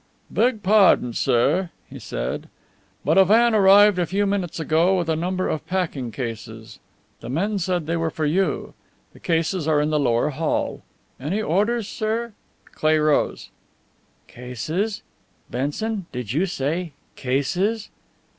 "Beg pardon, sir," he said, "but a van arrived a few minutes ago with a number of packing cases. The men said they were for you, sir. The cases are in the lower hall. Any orders, sir?" Cleigh rose. "Cases? Benson, did you say cases?"